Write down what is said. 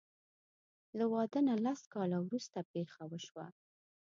له واده نه لس کاله وروسته پېښه وشوه.